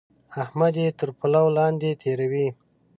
احمد يې تر پلو لاندې تېروي.